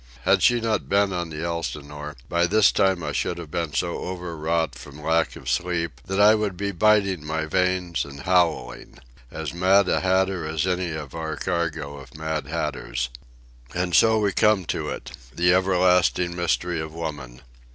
Had she not been on the Elsinore, by this time I should have been so overwrought from lack of sleep that I would be biting my veins and howling—as mad a hatter as any of our cargo of mad hatters. And so we come to it—the everlasting mystery of woman.